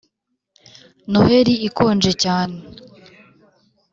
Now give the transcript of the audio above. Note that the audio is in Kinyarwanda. noheri ikonje cyane